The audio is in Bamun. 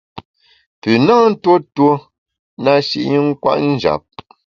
Pü na ntuo tuo na shi i nkwet njap.